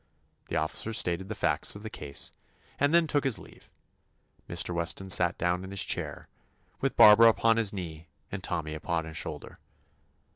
The officer stated the facts of the case and then took his leave. Mr. Weston sat down in his chair, with Barbara upon his knee and Tommy upon his shoulder.